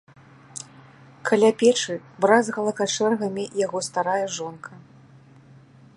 Каля печы бразгала качэргамі яго старая жонка.